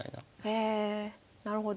へえなるほど。